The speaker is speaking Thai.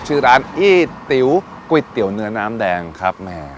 ชื่อร้านอี้ติ๋วก๋วยเตี๋ยวเนื้อน้ำแดงครับแม่